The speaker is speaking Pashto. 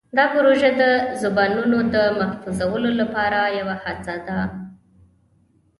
دا پروژه د زبانونو د محفوظولو لپاره یوه هڅه ده.